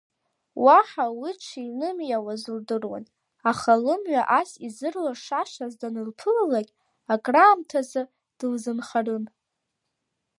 Уаҳа уи дшинымиауаз лдыруан, аха лымҩа ас изырлашашаз данылԥылалак, акраамҭаӡа дылзынхарын.